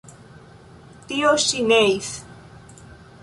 Tio ŝi neis.